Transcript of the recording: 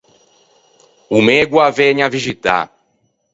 O mego o â vëgne a vixitâ.